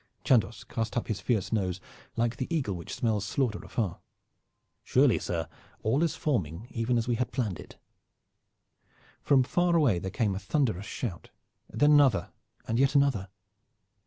Chandos cast up his fierce nose like the eagle which smells slaughter afar. "Surely, sir, all is forming even as we had planned it." From far away there came a thunderous shout. Then another and yet another.